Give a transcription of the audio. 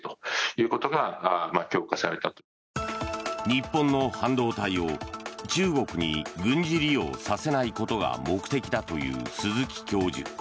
日本の半導体を中国に軍事利用させないことが目的だという鈴木教授。